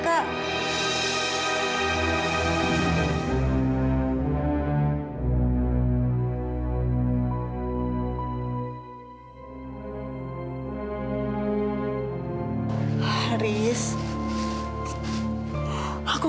kamilah dan bayinya celaka